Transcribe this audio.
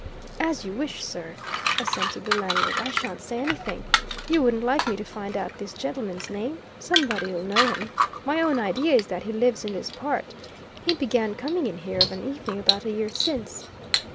"As you wish, sir," assented the landlord. "I shan't say anything. You wouldn't like me to find out this gentleman's name? Somebody'll know him. My own idea is that he lives in this part he began coming in here of an evening about a year since."